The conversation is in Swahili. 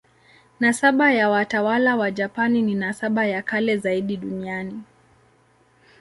Nasaba ya watawala wa Japani ni nasaba ya kale zaidi duniani.